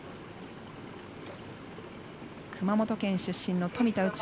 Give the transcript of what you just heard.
熊本県出身の富田宇宙。